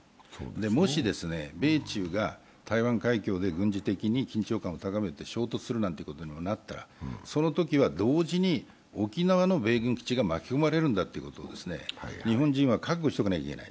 もし米中が台湾海峡で軍事的に緊張感を高めて衝突するなんてことになったら、そのときは同時に沖縄の米軍基地が巻き込まれるんだということを日本人は覚悟しておかなきゃいけない。